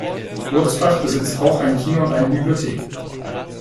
Wurzbach besitzt auch ein Kino und eine Bibliothek.